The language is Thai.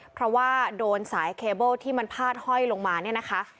เพราะว่าโดนสายเคเบิ้ลที่มันพาดห้อยลงมาเนี่ยนะคะ